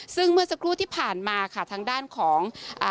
ซึ่งเมื่อสักครู่ที่ผ่านมาค่ะทางด้านของอ่า